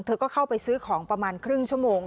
เธอก็เข้าไปซื้อของประมาณครึ่งชั่วโมง